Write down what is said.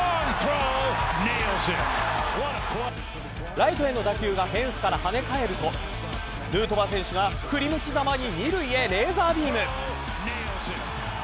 ライトへの打球がフェンスから跳ね返るとヌートバー選手が振り向きざまに２塁へレーザービーム。